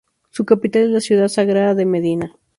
Su capital es la ciudad sagrada de Medina.